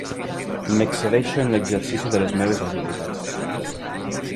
M'excedeixo en l'exercici de les meves habilitats.